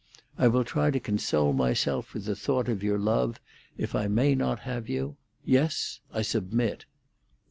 I will try to console myself with the thought of your love, if I may not have you. Yes, I submit."